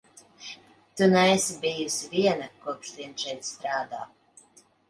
Tu neesi bijusi viena, kopš vien šeit strādā.